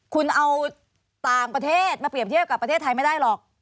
คุณเอาต่างประเทศมาเปรียบเทียบกับประเทศไทยไม่ได้หรอก